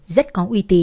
rất có uy tín